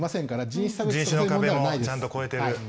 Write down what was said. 人種の壁もちゃんと超えてる。